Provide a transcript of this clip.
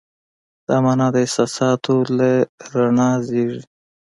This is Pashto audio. دا مانا د احساساتو له رڼا زېږېږي.